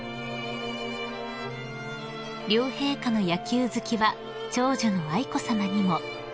［両陛下の野球好きは長女の愛子さまにも］